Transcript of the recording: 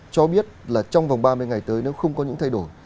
cho biết là trong vòng ba mươi ngày tới nếu không có những thay đổi